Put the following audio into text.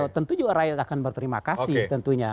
tentu juga rakyat akan berterima kasih tentunya